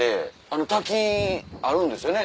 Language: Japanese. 滝あるんですよね